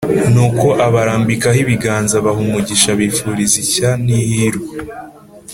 Nuko abarambikaho ibiganza abaha umugisha abifuriza ishya n’ihirwe